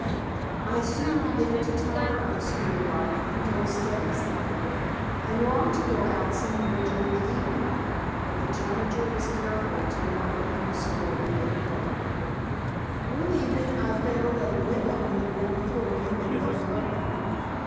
I soon began to tire of the school life and dull studies, however, and longed to go out somewhat during the evening, but the janitor was careful to lock me in the school at eight o'clock. One evening I found that a window on the ground floor had been left open.